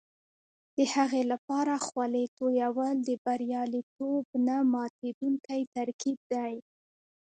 د هغې لپاره خولې تویول د بریالیتوب نه ماتېدونکی ترکیب دی.